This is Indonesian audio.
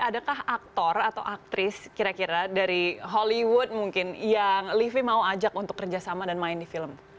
adakah aktor atau aktris kira kira dari hollywood mungkin yang livi mau ajak untuk kerjasama dan main di film